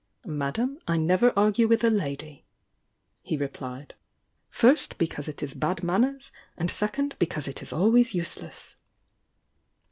"Madame, I never argue with a lady!" he repued. "First, because it is bad manners, and second, be cause it is always useless!"